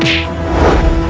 ketika kanda menang kanda menang